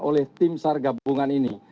oleh tim sar gabungan ini